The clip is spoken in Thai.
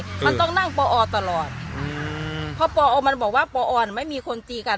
มันต้องนั่งอืมพอมันบอกว่าไม่มีคนตีกัน